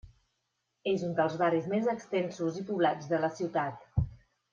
És un dels barris més extensos i poblats de la ciutat.